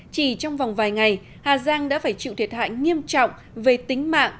chỉ trong vòng vài ngày hà giang đã phải chịu thiệt hại nghiêm trọng về tính mạng